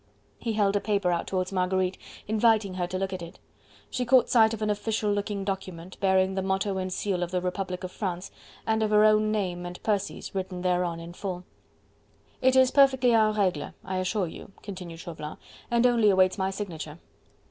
He held a paper out towards Marguerite, inviting her to look at it. She caught sight of an official looking document, bearing the motto and seal of the Republic of France, and of her own name and Percy's written thereon in full. "It is perfectly en regle, I assure you," continued Chauvelin, "and only awaits my signature."